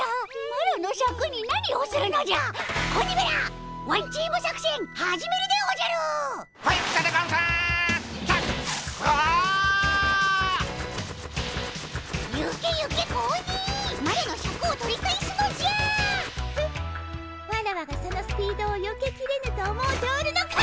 フッワラワがそのスピードをよけきれぬと思うておるのか？